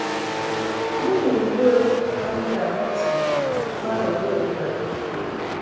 Mɨ ni ŋgə ma nda mɨtin ma ghəghəʼ ŋgab.